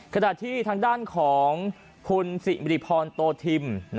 ขณะที่ทางด้านของคุณสิริพรโตธิม